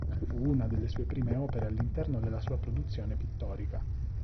Fu una delle sue prime opere all'interno della sua produzione pittorica.